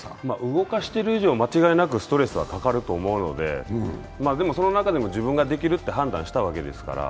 動かしている以上間違いなくストレスはかかると思うので、でも、その中でも自分ができるって判断したわけですから。